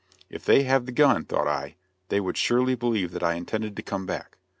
If they have the gun, thought I, they would surely believe that I intended to come back.